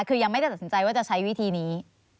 คือยังไม่ได้ตัดสินใจว่าจะใช้วิธีนี้